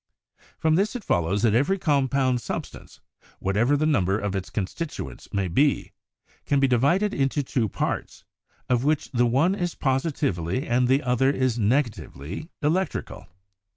From this it follows that every compound substance, what ever the number of its constituents may be, can be di vided into two parts, of which the one is positively and the other is negatively electrical.